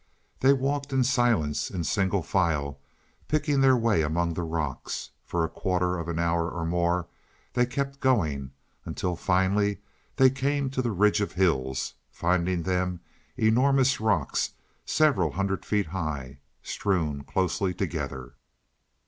They walked in silence, in single file, picking their way among the rocks. For a quarter of an hour or more they kept going, until finally they came to the ridge of hills, finding them enormous rocks, several hundred feet high, strewn closely together.